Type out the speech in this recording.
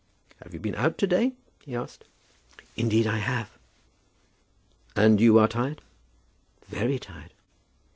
"Have you been out to day?" he asked. "Indeed I have." "And you are tired?" "Very tired!"